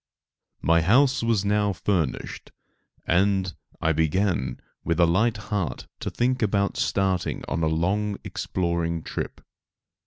* My house was now finished, and I began, with a light heart to think about starting on a long exploring trip.